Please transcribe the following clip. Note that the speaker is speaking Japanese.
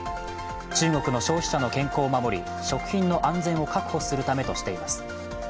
中国の消費者の健康を守り、食品の安全を確保するためとしています。